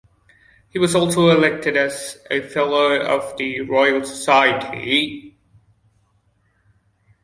He was also elected a fellow of the Royal Society.